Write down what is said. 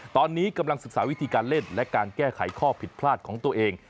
ตอนนี้กำลังศึกษาวิธีการเล่นและการแก้ไขข้อผิดพลาดของตัวเอง